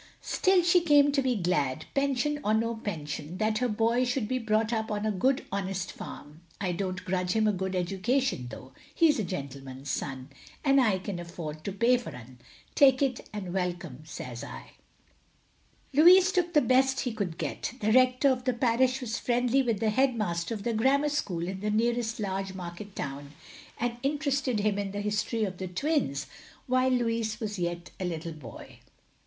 Still she came to be glad, pension or no pension, that her boy should be brought up on a good honest farm. I don't grudge him a good education though. He 's a gentleman's son, and I can afford to pay for 'un. Take it and welcome, says I." Louis took the best he could get. The Rector of the parish was friendly with the headmaster of the grammar school in the nearest large market town, and interested him in the history of the twins while Louis was yet a little boy.